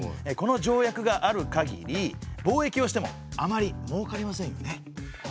この条約がある限り貿易をしてもあまりもうかりませんよね。